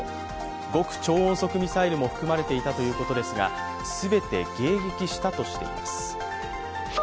極超音速ミサイルも含まれていたということですが、全て迎撃したとしています。